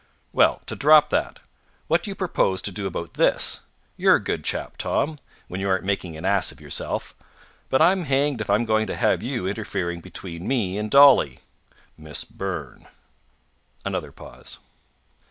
"Well, to drop that, what do you propose to do about this? You're a good chap, Tom, when you aren't making an ass of yourself; but I'm hanged if I'm going to have you interfering between me and Dolly." "Miss Burn." Another pause.